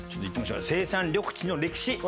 生産緑地の歴史